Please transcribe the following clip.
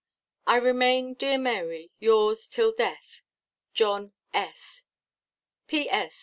"I remain, dear Mary, yours till death, "JOHN S "P.